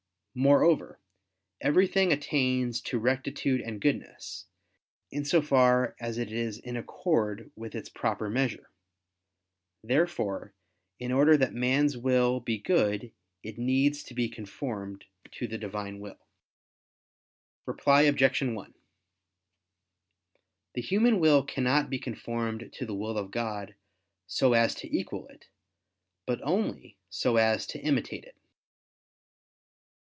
Moreover, everything attains to rectitude and goodness, in so far as it is in accord with its proper measure. Therefore, in order that man's will be good it needs to be conformed to the Divine will. Reply Obj. 1: The human will cannot be conformed to the will of God so as to equal it, but only so as to imitate it.